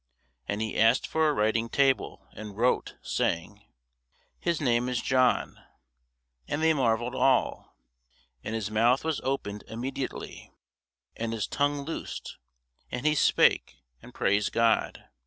And he asked for a writing table, and wrote, saying, His name is John. And they marvelled all. And his mouth was opened immediately, and his tongue loosed, and he spake, and praised God.